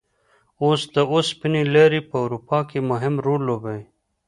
اوس د اوسپنې لارې په اروپا کې مهم رول لوبوي.